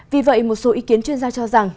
vì vậy một số ý kiến chuyên gia cho rằng